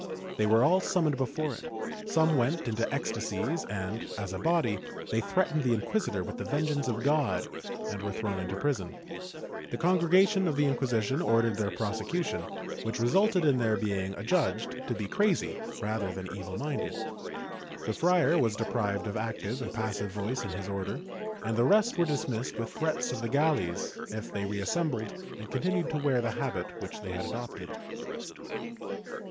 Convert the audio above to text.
They were all summoned before it; some went into ecstasies and, as a body, they threatened the inquisitor with the vengeance of God and were thrown into prison. The Congregation of the Inquisition ordered their prosecution, which resulted in their being adjudged to be crazy rather than evil minded. The friar was deprived of active and passive voice in his Order and the rest were dismissed with threats of the galleys if they reassembled and continued to wear the habit which they had adopted.